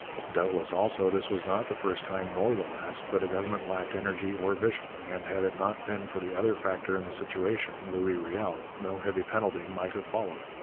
Doubtless, also, this was not the first time nor the last that a government lacked energy or vision, and had it not been for the other factor in the situation, Louis Riel, no heavy penalty might have followed.